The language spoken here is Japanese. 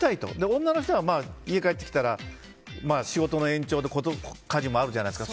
女の人は家に帰ってきたらまあ、仕事の延長で家事もあるじゃないですか。